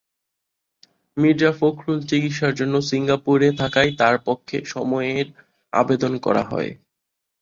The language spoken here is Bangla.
মির্জা ফখরুল চিকিৎসার জন্য সিঙ্গাপুরে থাকায় তাঁর পক্ষে সময়ের আবেদন করা হয়।